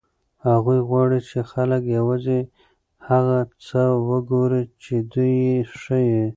هغوی غواړي چې خلک یوازې هغه څه وګوري چې دوی یې ښيي.